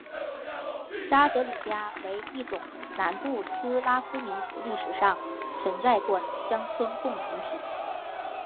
札德鲁加为一种南部斯拉夫民族历史上存在过的乡村共同体。